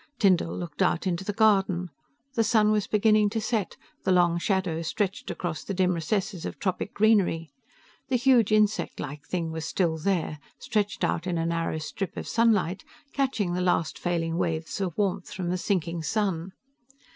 Tyndall looked out into the garden: the sun was beginning to set, the long shadows stretched across the dim recesses of tropic greenery. The huge insect like thing was still there, stretched out in a narrow strip of sunlight, catching the last failing waves of warmth from the sinking sun.